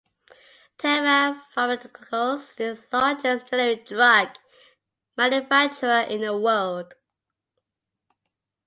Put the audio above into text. Teva Pharmaceuticals is the largest generic drug manufacturer in the world.